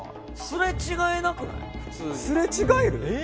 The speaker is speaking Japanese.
すれ違える？